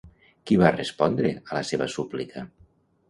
Qui va respondre a la seva súplica?